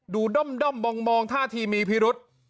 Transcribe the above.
ด้อมมองท่าทีมีพิรุษ